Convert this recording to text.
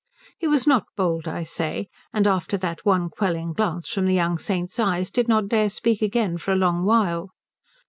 He was not bold, I say; and after that one quelling glance from the young saint's eyes did not dare speak again for a long while.